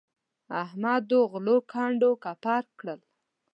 احمد دوی غلو کنډ او کپر کړل.